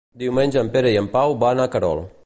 Diumenge en Pere i en Pau van a Querol.